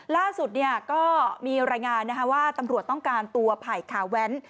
ล่าสุดก็มีรายงานว่าตำรวจต้องการตัวไผ่ขาแว้น